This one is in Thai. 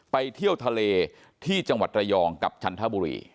ไปเที่ยวทะเลที่จังหวัดระยองกับจันทบุรี